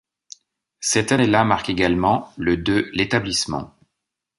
Cette année-là marque également le de l'établissement.